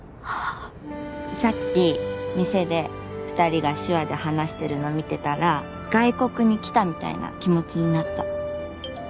さっき店で２人が手話で話してるのを見てたら外国に来たみたいな気持ちになった。